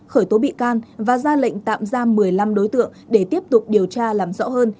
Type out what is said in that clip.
khởi tố bị can và ra lệnh tạm giam một mươi năm đối tượng để tiếp tục điều tra làm rõ hơn